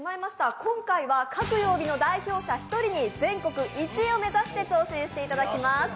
今回は各曜日の代表者１人に全国１位を目指して挑戦していただきます。